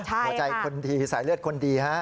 หัวใจคนดีสายเลือดคนดีฮะ